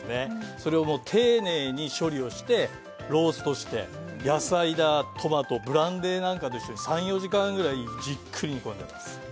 それをもう丁寧に処理をしてローストして野菜だトマトブランデーなんかと一緒に３４時間ぐらいじっくり煮込んでます